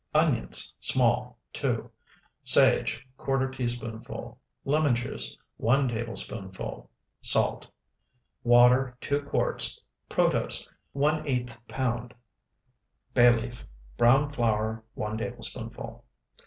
Onions, small, 2. Sage, ¼ teaspoonful. Lemon juice, 1 tablespoonful. Salt. Water, 2 quarts. Protose, ⅛ pound. Bay leaf. Browned flour, 1 tablespoonful.